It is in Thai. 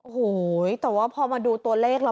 โอ้โหแต่ว่าพอมาดูตัวเลขแล้ว